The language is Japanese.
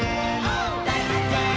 「だいはっけん！」